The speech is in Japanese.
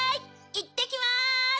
いってきます！